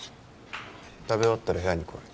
食べ終わったら部屋に来い。